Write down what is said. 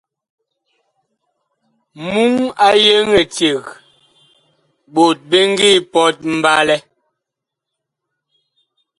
Muŋ a yeŋ eceg ɓot bi ngi pɔt mɓalɛ.